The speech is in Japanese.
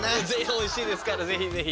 おいしいですからぜひぜひ。